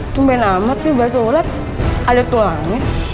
sumpahin amat nih bakso ulat ada tulangnya